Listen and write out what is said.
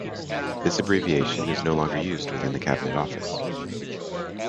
This abbreviation is no longer used within the Cabinet Office.